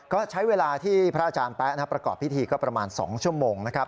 ก็ใช้เวลาที่พระอาจารย์แป๊ะประกอบพิธีก็ประมาณ๒ชั่วโมงนะครับ